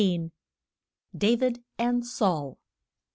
DAVID AND SAUL.